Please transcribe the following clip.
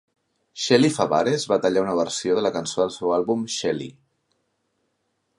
Shelley Fabares va tallar una versió de la cançó del seu àlbum Shelley!